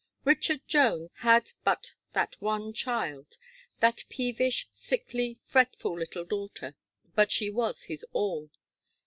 Richard Jones had but that one child, that peevish, sickly, fretful little daughter; but she was his all.